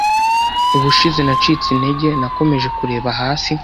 Ubushize nacitse intege, nakomeje kureba hasi